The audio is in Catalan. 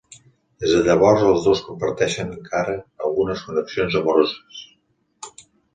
Des de llavors, els dos comparteixen encara algunes connexions amoroses.